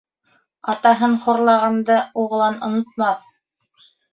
Атаһын хурлағанды уғлан онотмаҫ.